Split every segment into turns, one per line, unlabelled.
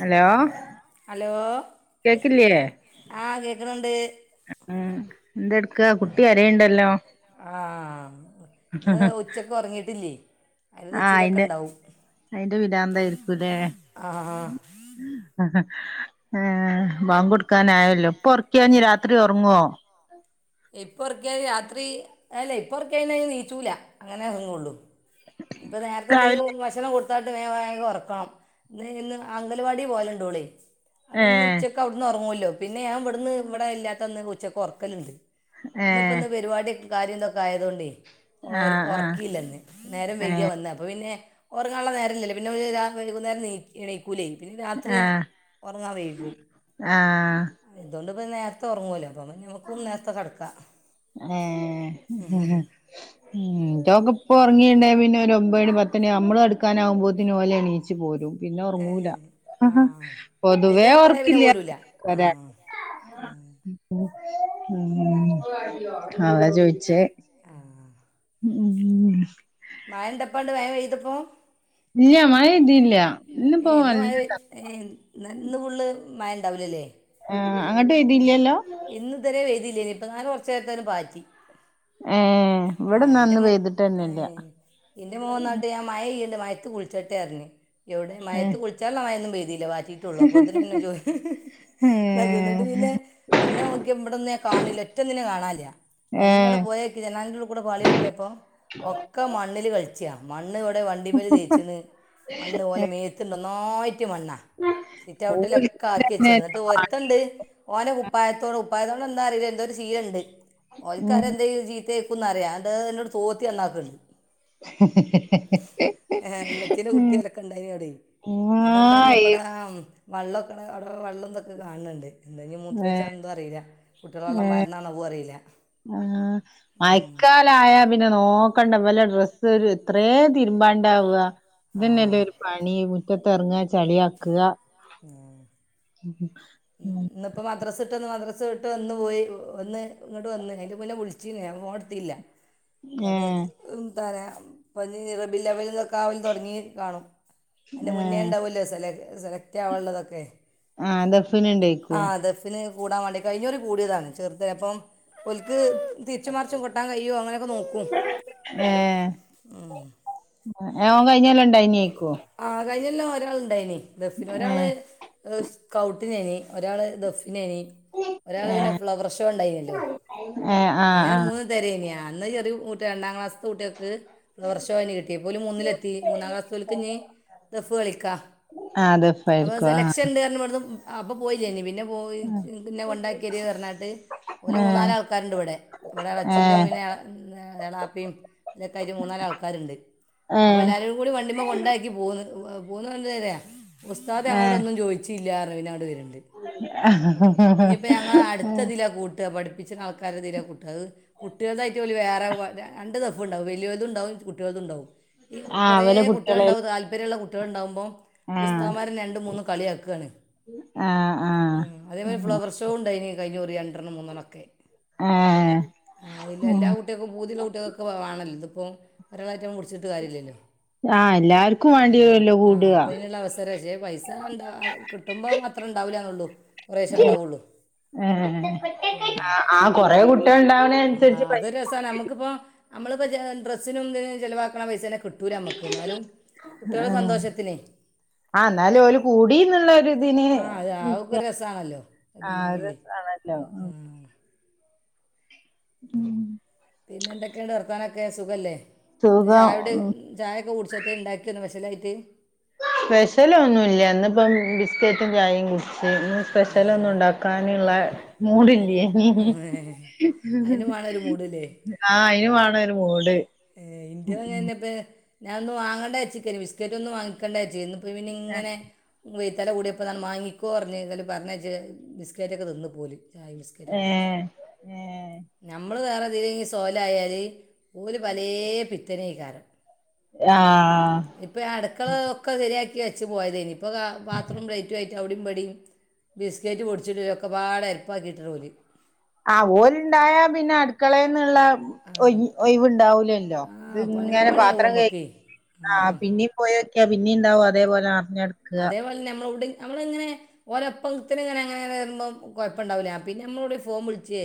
Hello
hello
കേക്കില്ലേ
ആഹ കേക്കണണ്ട്
ഉം എന്തെടുക്ക കുട്ടി കരയേണ്ടല്ലോ
ആഹ ഇന്ന് ഉച്ചക്ക് ഉറങ്ങിട്ടില്ലേ
ആഹ അയിന്റെ അയിന്റെറെ വിടാന്ന്തായിരിക്കൂല്ലേ
ആ ആ.
ആഹ ബമ്പു കൊടുക്കാനായല്ലോ ഇപ്പൊ ഉറക്കിയ ഇനി രാത്രി ഉറങ്ങുവോ
ഇപ്പറക്കെ രാത്രി അല്ല ഇപ്പറകിയ നീച്ചൂല അങ്ങനെ അങ്ങള്ളു ഇപ്പ നേരത്തെ എന്തെങ്കും
രാവിലെ
വേ ഭക്ഷണം കൊടുത്തായിട് വേഗം ഉറക്കണം ഇന്ന് അങ്കൽവാടി പോലെ ഉണ്ടളേ അപ്പൊ ഒന്ന്
ഏഹ്
ഉച്ചക്കെ അവിടുന്ന് ഉറങ്ങുവല്ലോ പിന്നെ ഞാൻ ഇവിടുന്ന് ഇവിടെ ഇല്ലാത്ത ഒന്ന് ഉച്ചക്കക്ക് ഉറക്കലുണ്ട് ഇനിപ്പ
ഏഹ്
ഇന്ന് പരിപാടി കാര്യം എന്തൊക്കെ ആയതോണ്ടേ
ആഹ് ആഹ്
ഉറക്കിയില്ലന്ന് നേരം വൈക
ഏഹ്
വന്നാ അപ്പൊ പിന്നെ റങ്ങാനുള്ള നേരന്ന ഇല്ല പിന്നെ ഒരു വൈകുന്നേം നണക്കും കൂല പിന്നെ രാത്രി ഉറങ്ങാ വേയിക്കും
ആഹ
ഇതുകൊണ്ട് ഇപ്പം നേരത്തെ ഉറങ്ങുവല്ലോ അപ്പ ഇങ്ങൾക്കും നേരത്തെ കിടക്കാം
ഏ ആഹ ഉ് ഇതോക്ക ഇപ്പൊ ഉറങ്ങിയിന്ന പിന്നെ ഒരു ഒമ്പത് മണി പത്ത മണി നമ്മള് എടുക്കാനാവകുമ്പോത്തത്തിന് ഓല എണീച്ച്ു പോരും പിന്നെ
ഏ
ഉറങ്ങൂല
ആ
പൊതുവേ
വലിയ മക്കളായ പിന്നെ
ഓർക്കില്ല
പോരൂല ആ
ഒരാ മ്മ് അതാ ചോദിച്ചേ
മ്മ്
ഉം
മഴണ്ടപ്പണ്ട് മഴ പെയ്തപ്പോ
ഇല്ല മഴ പെയ്തില്ല ഇന്നിപ്പോ
ഏഹ് ഇന്ന് മഴപെ
നല്ല
ഏഹ് ന്നന്ന് ഫുള്ള് മാഴണ്ടാവുലലെ
ആഹ് അങ്ങ്ട്ട് വെയ്തില്ലല്ലൊ
ഇന്ന് ഇത് വരേ വഴ്തീലേനു ഇപ്പനാൾ കൊറച്ചേര്ത്തൊന്ന് പാറ്റി
ഏഹ് ഇവടെന്ന ഇന്ന് പെയ്തിട്ടെന്നെ ഇല്ല
ഇന്റെ മോൻന്നയ്ട്ട് ഞാൻ മഴെയ്യ്ണ് ണ്ട് മയത്ത് കുളിച്ചട്ടെ അർഞ് എവടെ മയത്ത്
ഏഹ്
കുള് കുള്ച്ചാല്ല മഴെന്നും പെയ്തീല്ല പാറ്റീട്ടൊള്ളു അപ്പത്തിന് പിന്നെ ജോലി
ഏഹ്
പിന്നെ പിന്നെ നോക്ക്യ ഇവിടൊന്നെ കാൺല്ല ഒറ്റൊന്നിനെ കാണാല്ല മെല്ലടെ
ഏഹ്
പോയോ ജനാൽന്റുള്ളി കൂട പാളൊക്കിയപ്പൊ ഒക്ക മണ്ണില് കളി ചച്ച മണ്ണ് ഇവടെ വണ്ടിമ്മല് തേച്ചീണ് മണ്ണ് ഓല മേത്ത്ണ്ട് ഒന്നായ്ട്ട് മണ്ണ സിറ്റൗട്ട്ലൊക്കെ ആക്കി
ഓൽക്കന്നെ
വെച്ചെന്ന് ഇന്നിട്ട്
പണി
ഒർത്തണ്ട് ഓനെ കുപ്പായത്തോണ്ട ഉപ്പായത്തോണ്ട എന്താന്നറീല്ല എന്തോര് ശീലണ്ട്
ഉം
ഓൽക്കറിയ എന്തെ ചീത്തെ ക്കുന്നറിയ ഇണ്ട് എന്നോട് തോത്തി നന്നാക്ക്ൺണ്ട്
[inaudible] [unintelligible]
ഹെ ഹെ എളയ്ച്ചന്റകുട്ടി ഓലക്ക ക ഇണ്ടായ്നു അവടെ
ആഹ്
അതെന്തല്ലപ്പടാ വെള്ളക്ക്ണ അവട വള്ളം ഇതൊക്ക കാൺണ്ണ്ട് ഇല്ലെങ്കി മൂത്രൊയ്ച്ചന്നും അറീല്ല കുട്ടീള് വള്ളം പാർന്നത അതും അറിയില്ല
ആഹ്
ഉം.
മഴക്കാ ലായ പിന്ന നോക്കണ്ട ഇവല ഡ്രസ്സ് ഒര് ഇത്രേ തിര്മ്പാണ്ടാവ
ആ
ഇതെന്നെല്ലൊരു പണി മുറ്റത്തെറ്ങ്ങ ചളിയാക്ക്യ [inaudible]
ഇന്ന് ഇപ്പ മദ്രസ്ട്ടന്ന് മദ്രസ് വുട്ട് വന്ന് പോയി ഒന്ന് ഇങ്ങ്ട്ട് വന്ന് അയിന്റെ മുന്നെ വുള്ച്ചീന്നു ഞാ ഫോണെട്ത്തീല
[inaudible]
ഇന്ന്ട്ട്
ഏഹ്
ഇന്തെറ ഇപ്പഞി റബിഉൽഅവ്വൽക്കാവല് തൊടങ്ങീ കാണും അയിന്റെ മുന്നേ
ഏഹ്
ഇണ്ടാവൊലൊ സെല സെലക്ടാവാള്ളതൊക്കെ
ആഹ് ദഫിന്ണ്ടെ
ആഹ് ദഫിന് കൂടാൻ വേണ്ടി കഴിഞ്ഞുറി കൂടിയതാണ് ചെറ്തല്ലപ്പം ഓല്ക്ക് തിരിച്ചും മർച്ചും കൊട്ടാൻ കയ്യൊ അങ്ങനൊക്കെ നോക്കും
ഏഹ്
ഉം
ഏഹ് കഴ്ഞ്ഞേലണ്ടെയ്നേക്ക്വൊ
ആഹ് കഴിഞ്ഞൊല്ലാം ഒരാള് ഇണ്ടയ്ന് ദഫിന് ഒരാള്
ഏഹ്
സ്കൗട്ടിനേന് ഒരാള് ദഫിനേന് ഒരാള് പിന്നെ ഫ്ലവർ ഷോ ഇണ്ടായ്നല്ലൊ
ഏഹ് ആഹ്
അങ്ങനെ
ആഹ്
മൂന്ന് തരേന് അന്ന് ചെറി രണ്ടാം ക്ലാസ്തെ കുട്ടീക്ക് ഫ്ലവർഷോ ഏന് കിട്ടിയെ ഇപ്പോല് മൂന്നിലെത്തി മൂന്നാ ക്ലാസിത്തോൽക്കിഞി ദഫ് കളിക്ക
ആഹ് ദഫ്
അപ സെലക്ഷൻണ്ട് അർഞ് ഇവിടുന്ന് അപ പോയിലെനി പിന്നെ പോയി ഇന്ന കൊണ്ടാക്കെരീ പർഞ്ഞാണ്ട് ഓല്
ആഹ്
മൂന്നാലാൾക്കാര്ണ്ട് ഇവടെ. ഇവടെ അച്ഛിൻ്റെ
ഏഹ്
പിന്ന ഞാള എളാപ്പിം അതൊക്കായിട്ട് മൂന്നാലാൾക്കാര്ണ്ട് അപ്പൊ
ഏഹ്
എല്ലാരും കൂടി വണ്ടിമ്മെ കൊണ്ടാക്കി പോന്ന്. പോന്നെന്തെ അറിയൊ ഉസ്താദ്
ഏഹ് ഏഹ്
ഞങ്ങളോടൊന്നും ചോദി ച്ചില്ലാർഞ് വർൺണ്ട്. ഇഞിപ്പ ഞങ്ങളടാത്തതില കൂട് കൂട്ട പഠിപ്പിച്ച്ണട് ആൾക്കാരത് ല കൂട്ട കുട്ടീൾതായ്ട്ട് ഓല് വേറെ രണ്ട് ദഫ് ഇണ്ടാവും. വലോൽതുണ്ടാവും കുട്ടീൾതുണ്ടാവും
ആഹ്
കൊറേ
ഇവലെ കുട്ട്യാളെ
കുട്ടീൾണ്ടാവും താല്പര്യള്ള കുട്ടീൾ ഇണ്ടാവുമ്പൊ
ആഹ്
ഉസ്താമാരന്നെ രണ്ടു മൂന്നും കളിയാക്കാണ്
ആഹ് ആഹ്
അതേപൊലെ ഫ്ലവർഷോ ഇണ്ടയ്ന് കഴിഞ്ഞുറി രണ്ടെണ്ണം മൂന്നെണ്ണൊക്കെ
ഏഹ്
ആഹ് ഇല്ലല്ലാ എല്ലാ കുട്ടീൾക്ക് പൂത്ള്ള കുട്ടീകൊക്കെ വെണല്ലൊ. ഇത്പ്പൊ ഒരാളായ്റ്റ് ഞമ്മള് പുട്ച്ച്ട്ട് കാര്യല്ലല്ലൊ
ആഹ് എല്ലാർക്കു
ആഹ് അ ആ് അപ്പൊയ്നുള്ള അവസരക്ഷെ പൈസ ണ്ടാ കിട്ടു ട്ടുമ്പോം അത്രണ്ടാവൂല്ലന്നുള്ളൂ കൊറേശം ഉണ്ടാവുള്ളൂ
ഏഹ്
ഉം.
ആ കൊറെ കുട്ട്യാള്ണ്ടാവനൻസരിച്ച് പൈസ
നമുക്കിപ്പോ നമ്മളിപ്പോ ഡ്രസിനും ഇതിനും ചിലവാക്കണ പൈസന്നെ കിട്ടൂ- ഇന്നാലും കുട്ട്യാള സന്തോഷത്തിന്
ആ് എന്നാലും ഓല് കൂടീന്ന്ള്ളൊരു തിന്
ആ അത് അതൊക്കെ ഒരു രസമാണല്ലോ വലിയ
ആഹ് ഒരു
വലിയ
ആണല്ലോ ഉം
പിന്നെന്തൊക്കെണ്ട് വർത്താനൊക്കെ സുഖല്ലേ ഇന്ന്
സുഖം
ചായുടിം
ഉം
ചായൊക്കെ കുടിച്ചാ ത്തേണ്ടാക്ക്യാ ഇന്ന് സ്പെഷലായിട്ട്
സ്പെഷലൊന്നുല്ല്യ ഇന്ന്പ്പം ബിസ്ക്കറ്റും ചായിം കുടിച്ച് സ്പെഷ്യലൊന്നും ഉണ്ടാക്കാനുള്ള മൂഡ്ല്ലേനി
അയ്നും വേണൊരു മൂഡ്ല്ലേ
ആഹ് അയിനും വേണൊരു മൂട്
ഇൻ്റെതു അങ്ങനന്നെപ്പ ഞാനൊന്നു വാങ്ങണ്ടച്ചിക്കേന് ബിസ്ക്കറ്റൊന്നും വാങ്ങിക്കേണ്ടച്ച്‌ക്കേനി ഇപ്പം ഇവനിങ്ങനെ വെയ്ത്തല കൂടിയപ്പോൾ ന്നാത് വാങ്ങിക്കോ പറഞ്ഞ് താലും പറഞ്ഞ യ്ച്ച് ബിസ്ക്കറ്റൊക്കെ തിന്ന്പ്പോല് ചായിം ബിസ്കറ്റെക്കെ കുട്ച്ചു.
ഏഹ് ഏഹ്
നമ്മള് വേറെതിലേലും പൊയലായാല് പലേ പിത്തനേക്കാരം
ആഹ്
ഇപ്പൊ ഞാ അടുക്കള ഒക്കെ ശരിയാക്കി വെച്ച് പോയതേനി ഇപ്പ പാത്രും പ്ലെയ്റ്റേറ്റ് അവ്ടിം ബടിം ബിസ്കറ്റ് പൊടിച്ചിട്ട് ഒക്കെപാട് എര്പ്പാക്കിട്ടോര്
ആ ഓല്ണ്ടായാ പിന്നെ അടുക്കളേന്നുള്ള
ആ
ഒഴിവുണ്ടാവൂലല്ലോ
ആ പണിമ
ഇതിങ്ങനെ
പണിയാവും
പാത്രം കഴ്
നമുക്ക്
ആ പിന്നിം പോയൊക്കാ പിന്നീംണ്ടാവും അതേപോലെ നർഞ്ഞട്ക്ക്ണ്
അതേപോലെന്നെ നമ്മളവ്ടം നമ്മള്ങ്ങനെ ഓലെപ്പത്തിനിങ്ങനെങ്ങന വരുമ്പോ കൊഴ്പ്പണ്ടാവൂല്ല പിന്നെ നമ്മളവ്ടേം ഫോൺ വിളിച്ചേ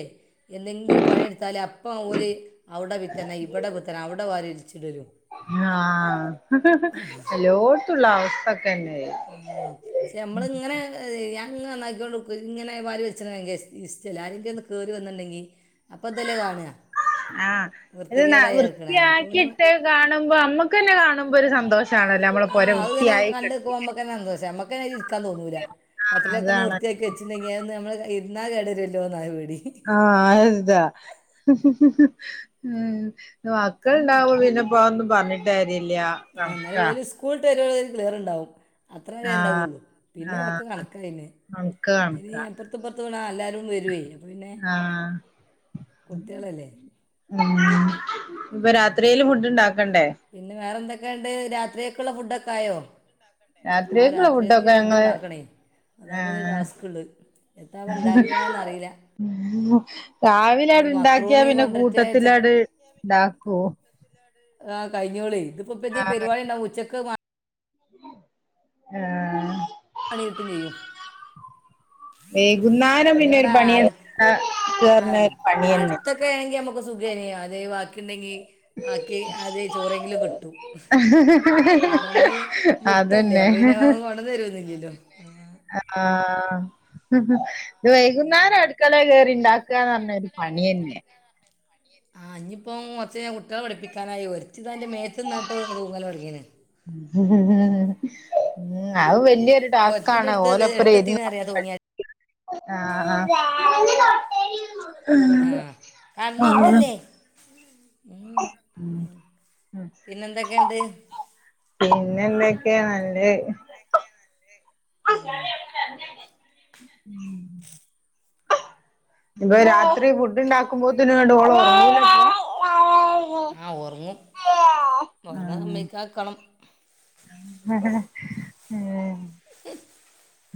എന്തെങ്കിലും പണിയെടുത്താലേ അപ്പം ഓല് അവിടെ പിത്തനെ ഇവിടെ പിത്തന അവിടെ വാരിർച്ചിട്ടരും
ആഹ് ത്തുള്ള അവസ്ഥക്കന്നെ
ആഹ് ക്ഷെ നമ്മളിങ്ങനെ ഞാങ്ങനെ നാ ന്നാക്ക്യോണ്ട്ക്കും ഇങ്ങനെ വാരി വൽച്ചണത് ഇഷ്ടല്ല അരങ്കി കേറി വന്നിണ്ടെങ്കി അപ്പൊ ഇതല്ലേ കാണ
ആഹ് ഇത്
പിന്നെ
വൃത്തിയാക്കിട്ടെ കാണുമ്പോ ഞമ്മക്കന്നെ കാണുമ്പോ ഒരു സന്തോഷ ണല്ലോ നമ്മള പോരെ വൃത്തിയായി കെട്ക്കൂലെ
ന്നെ സന്തോഷാ നമ്മക്കന്നെയ്‌ല് ഇരിക്കാൻ തോന്നൂല
ആഹ്
കട്ടിലൊക്കെ ഒന്ന്
അതാണ്
വൃത്തിയാക്കി വെച്ച്ണ്ടെങ്കി ന്ന് നമ്മള് ഇർന്നാ കേടരുല്ലോന്നായ് പേടി
ആഹ് അയ്താ ഉം മക്കൾ ഉണ്ടാവ്മ്പോ പിന്നെപ്പ‌ തൊന്നും പറഞ്ഞിട്ടാര്യല്ല
ആഹ് എന്നാലും സ്കൂളിട്ടെരോളും ഒരു ക്ലിയർണ്ടാവും അത്രന്നെ ഉണ്ടാവള്ളൂ പിന്നെ ഒക്കെ കണക്കായിന്നെ
കൺക്കാ
അയ്ന് അപ്പുറത്ത്പ്പൊർത്തുള്ള എല്ലാവരും വരുവേ അപ്പം പിന്നെ
ആഹ്
കുട്ട്യാളല്ലേ
ആഹ് ഇപ്പൊ രാത്രിൽ ഫുഡ്ണ്ടാക്കണ്ടേ
പിന്നെ വേറെന്തൊക്കെണ്ട് രാത്രിയൊക്കെള്ള ഫുഡൊക്കെ ആയോ ആഹ്
രാത്രിയേക്കുള്ള
രാത്രിയെക്ക്
ഫുഡൊക്കെ
ഞ്ഞ്
ഞങ്ങള്
ഫുഡ്ണ്ടാക്കണേ അതാപഞ്ഞ്
ആഹ്
ടാസ്ക്ള്ള് എത്താപ്പണ്ടാക്കാന്ന റീല്ല
രാവിലെട് ഇണ്ടാക്കിയാ
മക്രൂണി
പിന്നെ
കൊണ്ടിട്ട്
കൂട്ടത്തിലാട് ഉണ്ടാക്കു
ആഹ് കഴ്ഞ്ഞോളി ഇതിപ്പ ഇപ്പെരിപാടി ഉണ്ടാവും ഉച്ചക്ക്
ആഹ്
പണി കിട്ടും ചെയ്യും
വൈകുന്നേരം പിന്നെ ഒരു
ഇവിടെ
പണി [inaudible]
അടു ആ
ഒരു പണിയന്നെ
അടുത്തൊക്കെ ആണെങ്കിൽ നമുക്ക് സുഖേന അതെ ബാക്കി ഉണ്ടെങ്കിൽ ആക്കി അത് ചോറെങ്കിലും കിട്ടും ഇതിപ്പോ നമ്മള് വിട്ടല്ലേ
അതന്നെ
അപ്പ പിന്നെ മട തരുമന്നില്ലല്ലോ
ആഹ ഇത് വൈകുന്നേരം അടുക്കള കയറിണ്ടാക്കുകന്ന് പറഞ്ഞൊരു പണി തന്നെ
ആ ഇനിയിപ്പോ മൊത്ത ഞാൻ കുട്ടികെ പഠിപ്പിക്കാനായി ഒച്ചിതതിന്റെ മേത്ത് നിന്നായിട്ട് തൂങ്ങല്ല പഠിക്കന്ന്
[unintelligible] ഉ അ വല് വതിയരു ടാസ്ക്
ഒരുത്തിൻ്റെ
ആണ്
അടുത്ത്
ഓലപ്പറം ഇ
അടുത്തെത്തിയെന്ന് അറിയാം തൂങ്ങിയാൽ
ആഹ ആ
ആഹ കന്നു ഉറങ്ങില്ലേ ഉ ഉ പിന്നെ എന്തൊക്കെയുണ്ട്
പിന്നെ എന്തൊക്കെയ നല്ല
ഉ
അ [unintelligible] ഉം ഇപ്പൊ രാത്രി ഫുഡ് ഉണ്ടാക്കുമ്പോ തന്നന് വേണ്ടള ഉറല്ല
ആഹ് ഉറങ്ങും ഒറങ്ങ നമ്മക്കക്കണം
ഉം [unintelligible]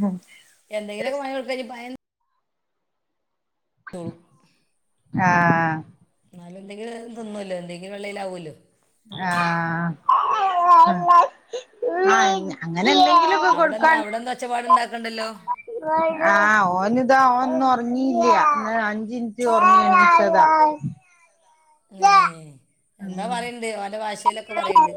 ആഹ
എന്തെങ്കിലൊക്കെ ഭയ കൊടുക്ക ഭയം
ആഹ
എന്നാലും എന്തെങ്കും തന്നുവല്ലോ എന്തെങ്കും വെള്ളൽവൂല്ലോ
ആഹ ആ അങ്ങനെന്ത
അവിടെന്താ അവിടെന്താ ഒച്ചപ്പാട് ഉണ്ടാക്കണ്ടല്ലോ
ആഹ ഓന് ഇതാ ഓൻന്ന ഉറങ്ങില്ല അഞ്ചിനിറ്റ് ഉറങ്ങി എണിച്ചതാ
എന്താ
ഉം
പറയണ്ട് അവന്റെ ഭാഷയിലൊക്കെ പറയണ്ട്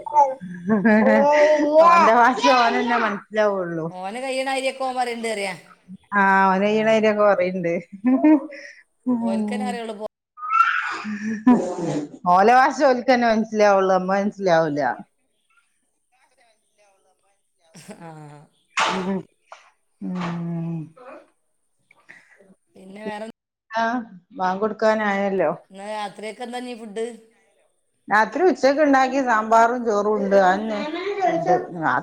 അന്ത ഭാഷ ആനല്ലെ മനസ്സിലാവുള്ളു.
അവന് [unintelligible] ആരിയക്കകമാർണ്ട് അറിയ
ആഹ ഒയ്യണായിര ഒക്കെ കൊറുണ്ട്
ഓൽക്കന്നെ അറിയുള്ളൂ പോ
ഓലവാഷ ഒലിക്കന്നേ മനസ്സിലാവുള്ളൂ അമ്മ മനസ്സിലാവൂല
ആഹ
ഉ ഉം
പിന്നെ വേറെ
ആഹ് മാ കൊടുക്കാനായല്ലോ?
എന്നാൽ രാത്രിയൊക്കെ എന്ത ഫുഡ്
രാത്രി ഉച്ചക്ക ഉണ്ടാക്കി സാമ്പാറും ചോറും ഉണ്ട് അന്നെ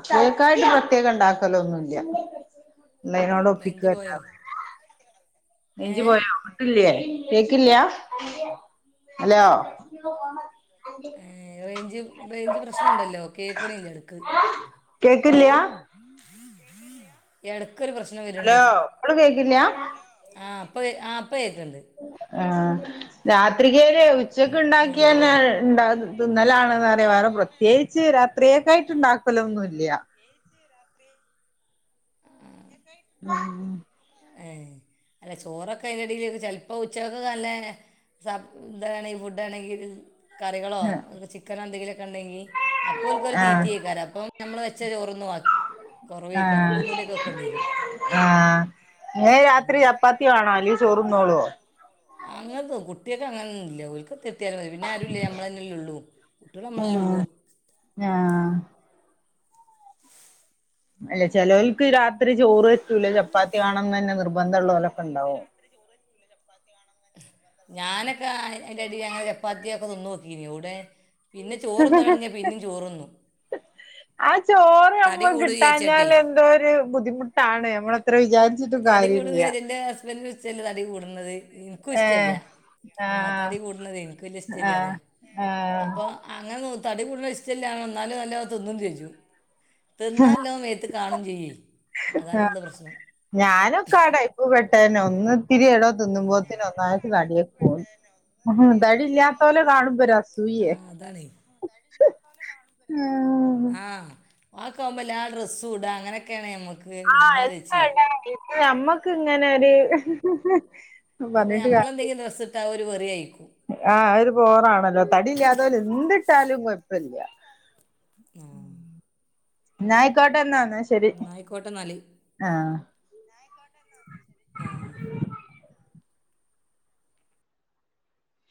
കേക്കായിട്ട് പ്രത്യേകം ഇണ്ടാക്കല ഒന്നുമല്ല ഇതിനോട്
റേഞ്ച്
ഒപ്പിക്കുകല്ലാ
പോയോ ഏ
നേഞ്ചി പോയോ അട്ടില്ലയേ കേക്കില്ലയാ ഹലോ
റേഞ്ച് റേഞ്ച് പ്രശ്നണ്ടല്ലോ കേൾക്കണെന്റെ അടുക്ക്
കേക്കില്ലയ
ഇടക്കൊരു പ്രശ്നം വരുണ്ട്
ഹലോ ഇപ്പളും കേക്കില്ല
ആഹ അപ്പ ആ അപ്പ കേട്ടുണ്ട്
ആ രാത്രികരെ ഉച്ചക്ക്
ഉം,
ഉണ്ടാക്കിയന്നെ
ആ
ഉണ്ടും ഇത് ഇന്നലാണെന്ന് അറിയാം വേറെ പ്രത്യേകിച്ച് രാത്രിയൊക്കയിട്ടണ്ടാക്കലോ ഒന്നും ഇല്ല ഉം
ഏ അല്ല ചോറൊക്കെ അതിന്റെടയില് ചിലപ്പ ഉച്ചക്ക നല്ലേ സ ഇന്താണെങ്കിൽ ഫുഡ ആണെങ്കിൽ കറികളോ? ചിക്കനോ എന്തെങ്കിലുമൊക്കെ ഉണ്ടെങ്കി അപ്പോ ഒരിക്ക ഒരു
ആഹ്
തീറ്റി ആക്കാർ അപ്പൊ നമ്മള് വെച്ച ചോറന്നു കുറവ കാറു
ആ രാത്രി ചപ്പാത്തി വേണോ? അല്ല ചോറുണ്ടോളുവോ?
അങ്ങനെ കുട്ടിയൊക്കെ അങ്ങനൊന്നും ഇല്ല ഒക്ക് തൃപ്തി ഇല്ലാതെ വരും. പിന്നെ ആരുമല്ലേ നമ്മള തന്നേ ഉള്ളൂ കുട്ടികൾ നമ്മളേ ല്ലേ
ഉം
ഉള്ളൂ..
ആഹ് അല്ല ചിലവൽക്ക് രാത്രി ചോറ് പറ്റൂല്ല, ചപ്പാത്തി കാണണംന്ന് തന്നെ നിർബന്ധം ഉള്ളവരൊക്കെ ഉണ്ടാവും.
ഞാനൊക്കെ ആയിന്റെ അടി അങ്ങനെ ചപ്പാത്തി ഒക്കെ തിന്നോക്കി എവിടെ. പിന്നെ ചോറൊന്നാലടങ്കിയ പിന്നിം ചോർ തിന്നു
ആ ചോറ് നമ്മൾ
കൂടും വിചാരിച്ചിട്ടേ
കിട്ടാഞ്ഞാല് എന്തോ ഒരു ബുദ്ധിമുട്ടാണ് നമ്മൾ എത്ര വിചാരിച്ച...
തടി കൂടുന്ന എന്റെ ഹസ്ബൻഡ് വിചാരിച്ചല്ലേ തടി കൂടുന്നത്.. ഇൻക്കും
ഏഹ്
ഇഷ്ടല്ല, ആ
ആഹ്
തടി കൂടണത് എനിക്ക് വല്യ ഇഷ്ടല്ല
ആഹ്
അറിയാ
ആഹ്
അപ്പൊ. ആ അങ്ങനെ തടി കൂടണ ഇഷ്ട്ടല്ല എന്നാലും നല്ലോം തിന്നും ചെച്ചും, തിന്നാല്ലോ മേത്ത് ത് കാണും ചെയ്യും, അതാണ്
ആഹ്
ഉള്ള പ്രശ്നം..
ഞാനൊക്കെ ആ ടൈപ്പ് പെട്ടേതന്നെ, ഒന്ന് ഇത്തിരി എടോ തിന്നുമ്പോത്തിൻ ഒന്നാത്തി തടി പോവും ആഹ് തടി ഇല്ലാത്തവരെ കാണുമ്പ ഒരു അസൂയയാ
ആഹ് ആ കമ്മല്, ആ ഡ്രസ്സുംഇടാ, അങ്ങനെ ഒക്കെ ആണ് നമുക്ക്
ആഹ്..
നമ്മളാലോചിച്ച്
എന്തണ്ട ഇനി നമ്മക്ക് ഇങ്ങനെ ഒരു.. ഹ്ഹ ഹ്ഹ ഹഹ
ഇതിപ്പോൾ നമ്മളെന്തെങ്കിലും ഡ്രസ്സിട്ട, ഒരു എറി ആയിരിക്കും.
ആഹ്! ഒരു ബോറാണല്ലോ? തടിയില്ലാത്തവരു എന്തിട്ടാലും കൊഴപ്പമില്ല..
ആ
ന്നാ ആയിക്കോട്ടെ എന്നാണ്...
ആയിക്കോട്ടെ എന്നാല്..
ആഹ്! !
ആയിക്കോട്ടെന്നാലു.. ആഹ്...